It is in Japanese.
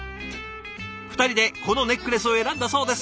２人でこのネックレスを選んだそうです。